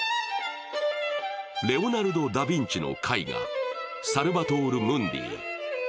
レオナルド・ダ・ヴィンチの絵画「サルバトール・ムンディ」。